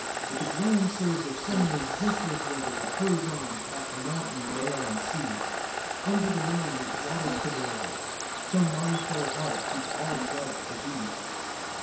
With the grand surge of some resistless river, That hurries on, past mountain, vale, and sea, Unto the main, its waters to deliver, So my full heart keeps all its wealth for thee.